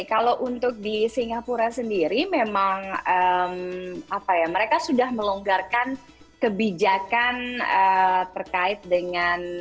kalau untuk di singapura sendiri memang mereka sudah melonggarkan kebijakan terkait dengan